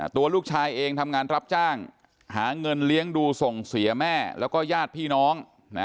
ตัวลูกชายเองทำงานรับจ้างหาเงินเลี้ยงดูส่งเสียแม่แล้วก็ญาติพี่น้อง